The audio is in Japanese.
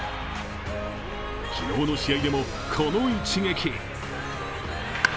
昨日の試合でも、この一撃。